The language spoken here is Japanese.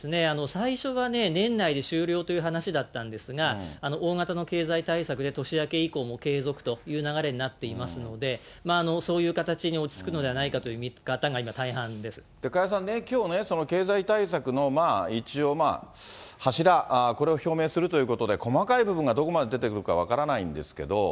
最初がね、年内で終了という話だったんですが、大型の経済対策で年明け以降も継続という流れになっていますので、そういう形に落ち着くのではないかという見方が今、加谷さんね、きょうね、経済対策の一応、柱、これを表明するということで、細かい部分がどこまで出てくるか分からないんですけど。